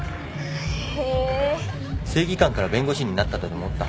正義感から弁護士になったとでも思った？